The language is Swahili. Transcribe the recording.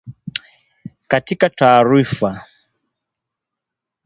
Katika taarifa